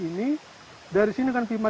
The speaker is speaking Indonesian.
dari sini kan klimatisasi disalurkan ke kampung